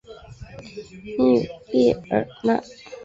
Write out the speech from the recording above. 穆列尔讷。